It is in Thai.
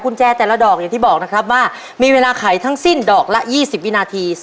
คุณแจแต่ละดอกอย่างที่บอกนะครับว่ามีเวลาไขทั้งสิ้นดอกละ๒๐วินาที